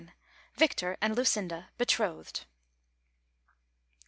VICTOR AXD LUCINDA BETROTHED.